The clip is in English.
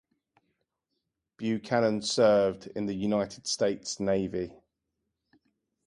Buchanan served in the United States Navy.